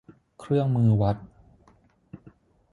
เครื่องมือวัด